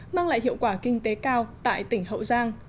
mang lại hiệu quả kinh tế cao tại tỉnh hậu giang